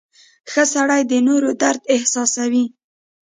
• ښه سړی د نورو درد احساسوي.